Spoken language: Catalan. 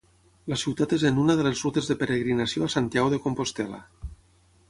La ciutat és en una de les rutes de peregrinació a Santiago de Compostel·la.